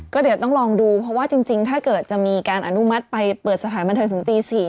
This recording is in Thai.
ก็เดี๋ยวต้องลองดูเพราะว่าจริงถ้าเกิดจะมีการอนุมัติไปเปิดสถานบันเทิงถึงตี๔